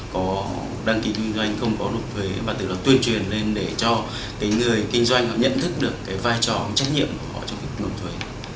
có đăng ký kinh doanh không có nộp thuế và tự do tuyên truyền lên để cho người kinh doanh nhận thức được vai trò trách nhiệm của họ trong việc nộp thuế